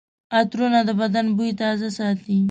عطرونه د بدن بوی تازه ساتي.